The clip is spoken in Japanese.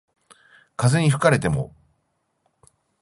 風に吹かれても